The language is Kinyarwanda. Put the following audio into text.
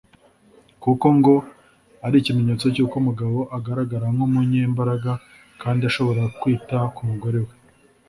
kuko ngo ari ikimenyetso cy’uko umugabo agaragara nk’umunyembaraga kandi ashobora kwita ku mugore we